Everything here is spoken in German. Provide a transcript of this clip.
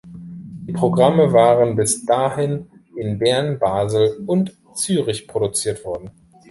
Die Programme waren bis dahin in Bern, Basel und Zürich produziert worden.